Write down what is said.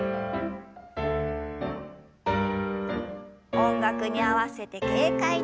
音楽に合わせて軽快に。